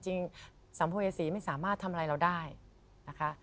สัมภเวษีไม่สามารถทำอะไรเราได้นะคะ